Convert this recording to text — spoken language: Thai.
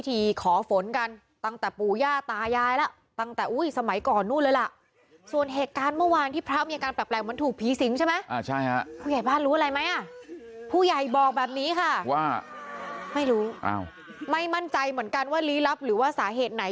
ต้องถึงมือหมอปลาไหมนี่